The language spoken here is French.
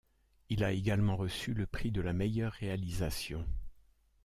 Il a également reçu le prix de la meilleure réalisation.